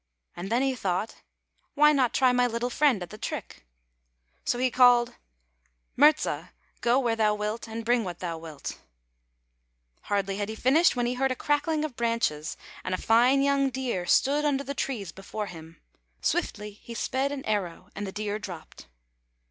And then he thought, " Why not try my little friend at the trick? " So he [ 157 ] FAVORITE FAIRY TALES RETOLD called "Murza; go where thou wilt and bring what thou wilt." Hardly had he finished when he heard a crackling of branches, and a fine young deer stood under the trees before him. Swiftly he sped an arrow and the deer dropped.